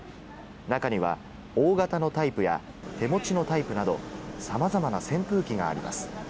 中には大型のタイプや手持ちのタイプなどさまざまな扇風機があります。